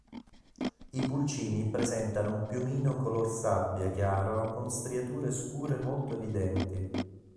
I pulcini presentano un piumino color sabbia chiaro con striature scure molto evidenti.